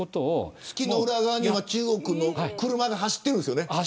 月の裏側には中国の自動車が走っているんですよね。